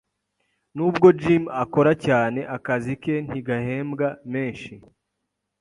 Nubwo Jim akora cyane, akazi ke ntigahembwa menshi.